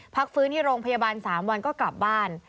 พักฟื้นที่โรงพยาบาล๓วันก็กลับบ้าน